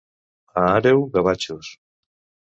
A Àreu, gavatxos.